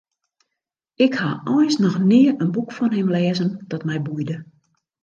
Ik ha eins noch nea in boek fan him lêzen dat my boeide.